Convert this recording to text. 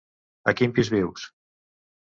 A quin pis vius?